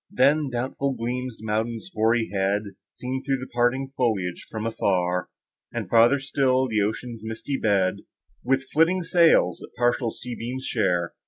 Then, doubtful gleams the mountain's hoary head, Seen through the parting foliage from afar; And, farther still, the ocean's misty bed, With flitting sails, that partial sunbeams share.